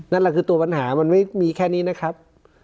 นั่นแหละคือตัวปัญหามันไม่มีแค่นี้นะครับ